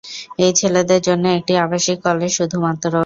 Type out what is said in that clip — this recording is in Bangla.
এই ছেলেদের জন্য একটি আবাসিক কলেজ শুধুমাত্র।